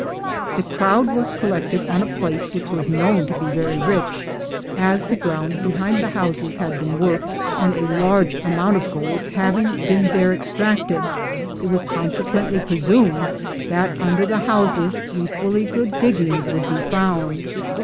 The crowd was collected on a place which was known to be very rich, as the ground behind the houses had been worked, and a large amount of gold having been there extracted, it was consequently presumed that under the houses equally good diggings would be found.